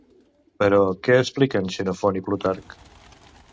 Però què expliquen Xenofont i Plutarc?